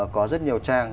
có rất nhiều trang